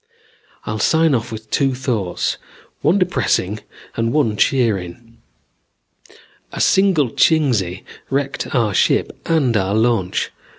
"I'll sign off with two thoughts, one depressing and one cheering. A single Chingsi wrecked our ship and our launch.